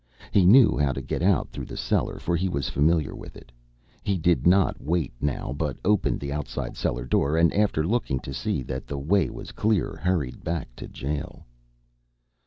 He knew how to get out through the cellar, for he was familiar with it. He did not wait now, but opened the outside cellar door, and after looking to see that the way was clear, hurried back to the jail.